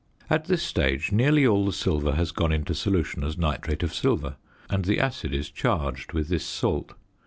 At this stage nearly all the silver has gone into solution as nitrate of silver and the acid is charged with this salt.